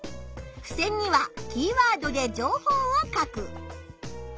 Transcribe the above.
ふせんにはキーワードで情報を書く。